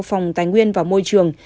phòng tài nguyên và môi trường